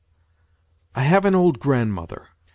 " I have an old grandmother.